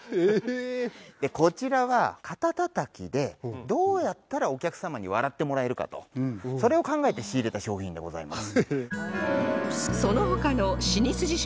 こちらは肩たたきでどうやったらお客様に笑ってもらえるかとそれを考えて仕入れた商品でございます。